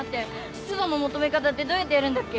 湿度の求め方ってどうやってやるんだっけ